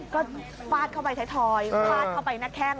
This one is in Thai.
ก็ฟาดเข้าไปไทยทอยฟาดเข้าไปหน้าแข้ง